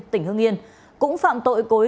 tỉnh hương yên cũng phạm tội cố ý